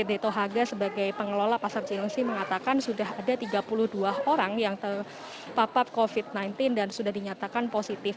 yang sudah terbentuk covid sembilan belas dan sudah dinyatakan positif